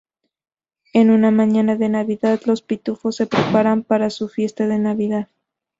En una mañana de Navidad, los Pitufos se preparan para su fiesta de Navidad.